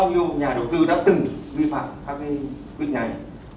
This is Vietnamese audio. có bao nhiêu nhà đầu tư đã từng vi phạm các quyền này